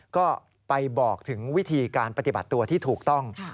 ก็ไปบอกถึงวิธีการปฏิบัติตัวที่ถูกต้อง